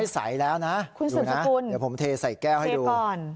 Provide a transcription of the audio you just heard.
ใสแล้วนะคุณสุบสกุลอยู่นะเดี๋ยวผมเทใส่แก้วให้ดูเทก่อน